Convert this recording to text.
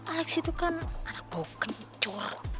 alex itu kan anak gue kencur